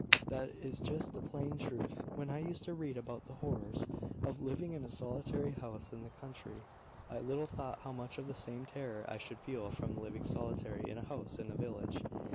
"That is just the plain truth. When I used to read about the horrors of living in a solitary house in the country, I little thought how much of the same terror I should feel from living solitary in a house in a village.